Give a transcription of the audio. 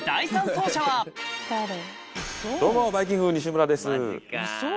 どうもバイきんぐ・西村です。